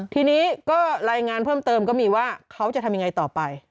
ทีนี้ก็รายงานเพิ่มเติมก็มีว่าเขาจะทำยังไงต่อไป